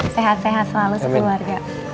sehat sehat selalu sekeluarga